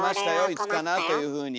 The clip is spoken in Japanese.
いつかなというふうに。